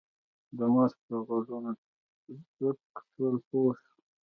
د مستو غوږونه څک شول پوه شوه.